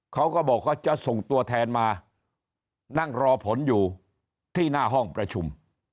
เขาก็บอกว่าจะส่งตัวแทนมานั่งรอผลอยู่ที่หน้าห้องประชุม